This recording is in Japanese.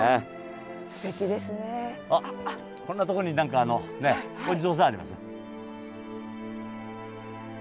あっこんなとこに何かあのお地蔵さんありますね。